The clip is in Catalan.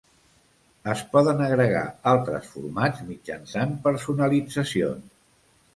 Es poden agregar altres formats mitjançant personalitzacions.